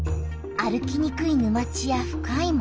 歩きにくい沼地や深い森